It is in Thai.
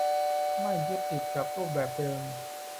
ไม่ยึดติดกับรูปแบบเดิม